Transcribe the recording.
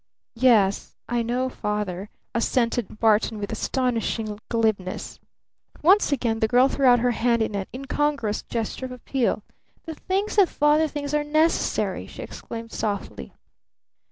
"Yes I know 'Father,'" assented Barton with astonishing glibness. Once again the girl threw out her hand in an incongruous gesture of appeal. "The things that Father thinks are necessary!" she exclaimed softly.